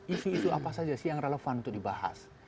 isu isu apa saja sih yang relevan untuk dibahas